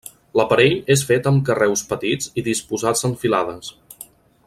L'aparell és fet amb carreus petits i disposats en filades.